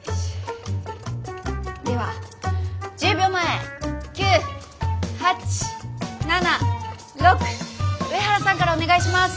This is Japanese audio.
では１０秒前９８７６上原さんからお願いします。